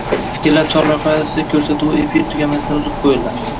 «Fikrlar chorrahasi» ko‘rsatuvi efir tugamasidan uzib qo‘yildi.